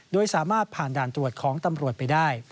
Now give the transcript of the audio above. โดยสามารถผ่านด่านตรวจของตำรวจไปได้